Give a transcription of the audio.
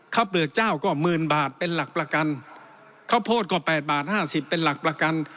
เปลือกเจ้าก็หมื่นบาทเป็นหลักประกันข้าวโพดก็แปดบาทห้าสิบเป็นหลักประกัน